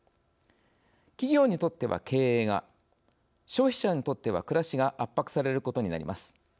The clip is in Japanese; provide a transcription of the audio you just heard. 企業にとっては経営が消費者にとっては暮らしが圧迫されることになります。